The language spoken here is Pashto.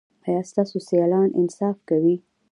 ایا ستاسو سیالان انصاف کوي؟